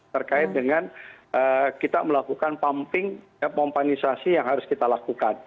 terkait dengan kita melakukan pumping pompanisasi yang harus kita lakukan